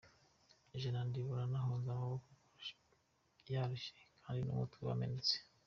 Ijana ndibona nahonze, amaboko yarushye kandi n’umutwe wamenetse.